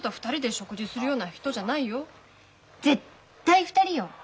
絶対２人よ。